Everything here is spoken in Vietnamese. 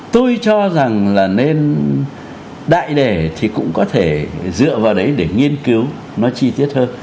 tôi cho rằng là nên đại đề thì cũng có thể dựa vào đấy để nghiên cứu nó chi tiết hơn